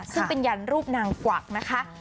ซึ่งเป็นยันรูปนางกวักนะคะ